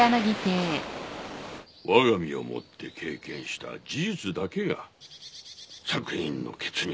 我が身をもって経験した事実だけが作品の血肉になる。